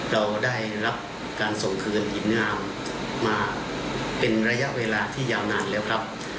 เราได้รับการส่งคืนทีมงานมาเป็นระยะเวลาที่ยาวนานแล้วครับ